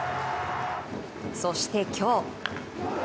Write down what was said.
そして、今日。